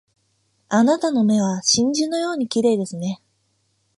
あなたの目は真珠のように綺麗ですね